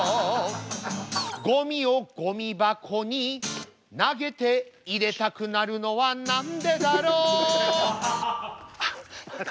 ごみをごみ箱に投げて入れたくなるのはなんでだろうあっ。